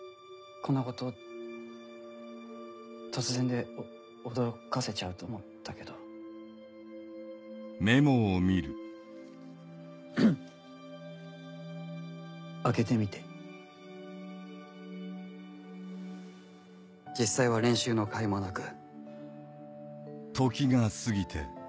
こんなこと突然でお驚かせちゃうと思ったけどせき払い開けてみて実際は練習のかいもなく。